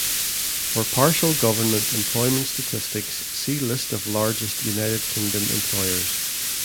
For partial government employment statistics, see List of largest United Kingdom employers.